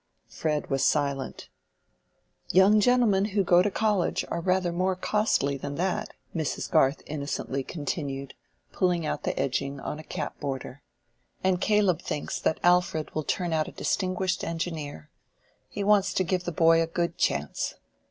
Fred was silent. "Young gentlemen who go to college are rather more costly than that," Mrs. Garth innocently continued, pulling out the edging on a cap border. "And Caleb thinks that Alfred will turn out a distinguished engineer: he wants to give the boy a good chance.